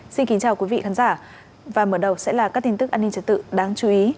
xin kính chào quý vị khán giả và mở đầu sẽ là các tin tức an ninh trật tự đáng chú ý